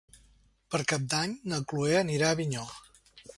Per Cap d'Any na Chloé anirà a Avinyó.